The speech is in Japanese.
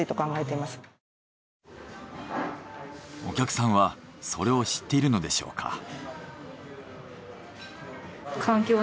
お客さんはそれを知っているのでしょうか？